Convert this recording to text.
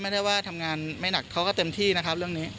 ไม่ได้ว่าทำงานไม่หนักเขาก็เต็มที่นะครับเรื่องนี้